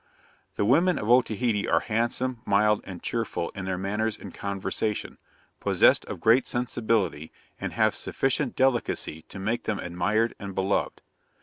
'The women of Otaheite are handsome, mild, and cheerful in their manners and conversation, possessed of great sensibility, and have sufficient delicacy to make them admired and beloved.